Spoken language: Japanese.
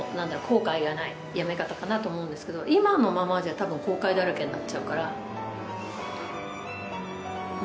後悔がない辞め方かなと思うんですけど今のままじゃ多分後悔だらけになっちゃうから。